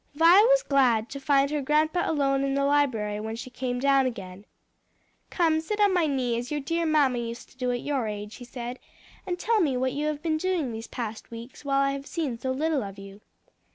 Vi was glad to find her grandpa alone in the library when she came down again. "Come, sit on my knee, as your dear mamma used to do at your age," he said, "and tell me what you have been doing these past weeks while I have seen so little of you."